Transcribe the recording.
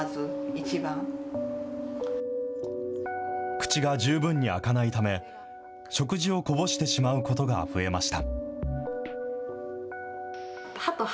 口が十分に開かないため、食事をこぼしてしまうことが増えました。